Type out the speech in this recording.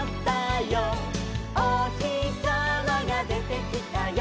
「おひさまがでてきたよ」